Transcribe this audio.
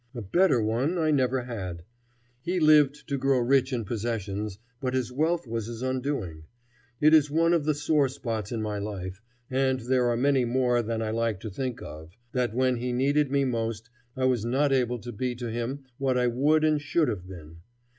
A better one I never had. He lived to grow rich in possessions, but his wealth was his undoing. It is one of the sore spots in my life and there are many more than I like to think of that when he needed me most I was not able to be to him what I would and should have been.